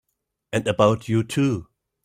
And about you too!